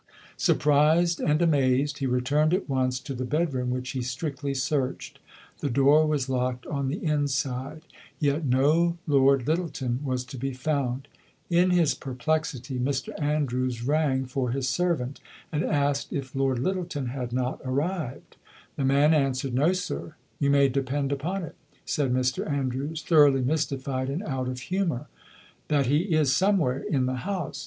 Surprised and amazed, he returned at once to the bedroom, which he strictly searched. The door was locked on the inside, yet no Lord Lyttelton was to be found. In his perplexity, Mr Andrews rang for his servant, and asked if Lord Lyttelton had not arrived. The man answered: "No, sir." "You may depend upon it," said Mr Andrews, thoroughly mystified and out of humour, "that he is somewhere in the house.